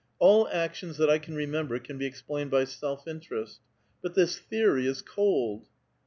All actions that I can remember can be explained by self interest. But this theory is cold